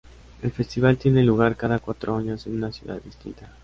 El festival tiene lugar cada cuatro años en una ciudad distinta.